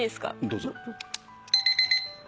どうぞ。